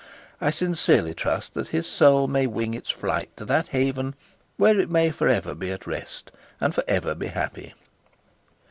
I sincerely trust that his soul may wing its flight to that haven where it may for ever be at rest and for ever be happy.